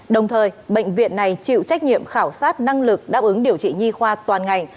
đồng thời bệnh viện này chịu trách nhiệm khảo sát năng lực đáp ứng điều trị nhi khoa toàn ngành